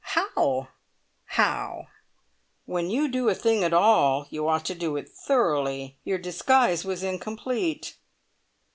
"How? How?" "When you do a thing at all, you ought to do it thoroughly. Your disguise was incomplete."